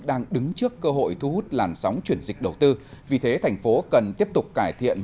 đang đứng trước cơ hội thu hút làn sóng chuyển dịch đầu tư vì thế thành phố cần tiếp tục cải thiện